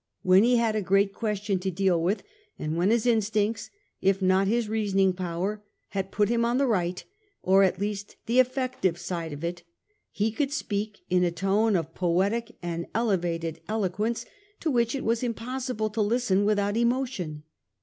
When he had a great question to deal with, and when his instincts, if not his reasoning power, had put him on the right, or at least the effective, side of it, he could speak in a tone of poetic and elevated eloquence to which it was impossible to listen without emotion.